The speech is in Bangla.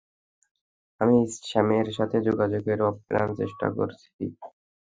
আমি স্যামের সাথে যোগাযোগের আপ্রাণ চেষ্টা করছি!